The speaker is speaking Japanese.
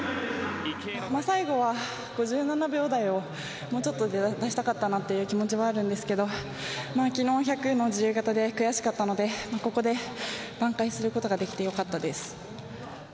最後は５７秒台をもうちょっとで出したかったなという気持ちはあったんですけど昨日、１００ｍの自由形で悔しかったのでここでばん回することができてよかったです。